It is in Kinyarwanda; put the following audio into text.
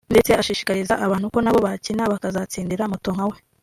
ndetse ashishikariza abantu ko nabo bakina bakazatsindira Moto nkawe